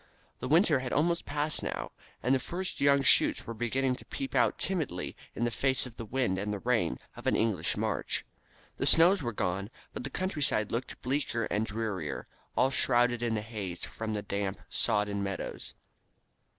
The winter had almost passed now, and the first young shoots were beginning to peep out timidly in the face of the wind and the rain of an English March. The snows were gone, but the countryside looked bleaker and drearier, all shrouded in the haze from the damp, sodden meadows.